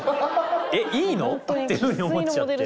えっいいの？っていう風に思っちゃって。